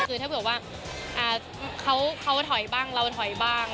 คือถ้าเกิดว่าเขาถอยบ้างเราถอยบ้าง